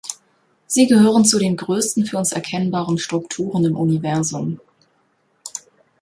Sie gehören zu den größten für uns erkennbaren Strukturen im Universum.